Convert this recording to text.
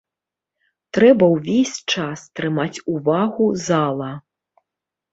Трэба ўвесь час трымаць увагу зала.